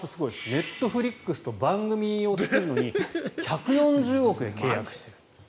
ネットフリックスと番組を作るのに１４０億で契約している。